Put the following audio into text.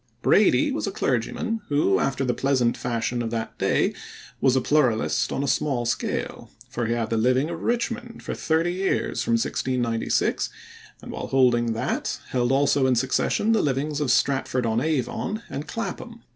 Brady was a clergyman who, after the pleasant fashion of that day, was a pluralist on a small scale, for he had the living of Richmond for thirty years from 1696, and while holding that held also in succession the livings of Stratford on Avon and Clapham.